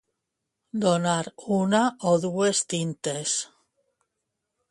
Donar una o dues tintes.